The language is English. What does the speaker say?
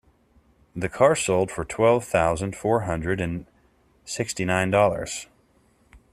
The car sold for twelve thousand four hundred and sixty nine dollars.